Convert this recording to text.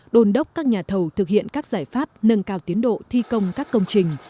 đồn đốc các nhà thầu thực hiện các giải pháp nâng cao tiến độ thi công các công trình